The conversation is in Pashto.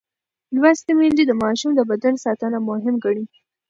لوستې میندې د ماشوم د بدن ساتنه مهم ګڼي.